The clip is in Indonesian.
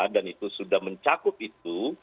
dan itu sudah mencakup itu